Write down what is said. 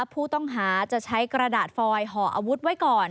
ผู้ต้องหาจะใช้กระดาษฟอยห่ออาวุธไว้ก่อน